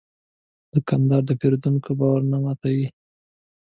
دوکاندار د پېرودونکي باور نه ماتوي.